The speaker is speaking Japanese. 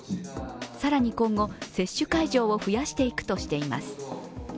更に今後、接種会場を増やしていくとしています。